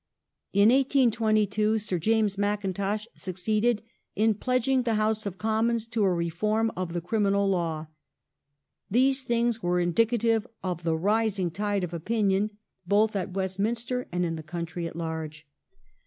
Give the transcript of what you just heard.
In 1822 Sir James Mackintosh succeeded in pledging the House of Commons to a reform /)f the Criminal Law. These things were indicative of the rising tide of opinion both at Westminster and in the country at large.